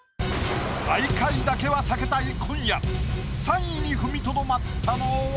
最下位だけは避けたい今夜３位に踏みとどまったのは？